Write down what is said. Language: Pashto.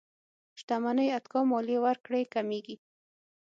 شتمنۍ اتکا ماليې ورکړې کمېږي.